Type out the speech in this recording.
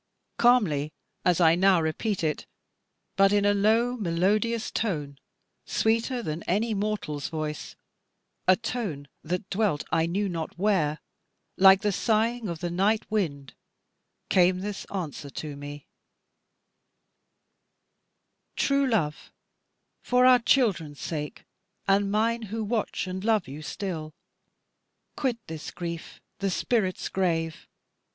Calmly as I now repeat it, but in a low melodious tone, sweeter than any mortal's voice, a tone that dwelt I knew not where, like the sighing of the night wind, came this answer to me: "True love, for our children's sake, and mine who watch and love you still, quit this grief, the spirit's grave.